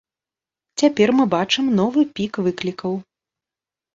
Цяпер мы бачым новы пік выклікаў.